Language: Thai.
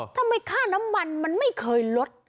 ค่าน้ำมันมันไม่เคยลด